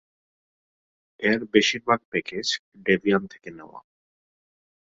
এর বেশীরভাগ package Debian থেকে নেওয়া।